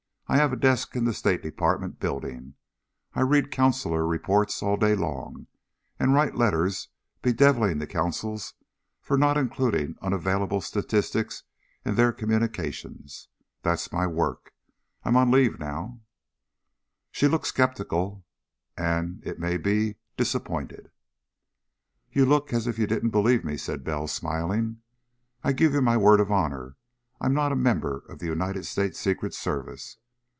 "I have a desk in the State Department building, and I read consular reports all day long and write letters bedeviling the consuls for not including unavailable statistics in their communications. That's my work. I'm on leave now." She looked skeptical and, it may be, disappointed. "You look as if you didn't believe me," said Bell, smiling. "I give you my word of honor I'm not a member of the United States Secret Service.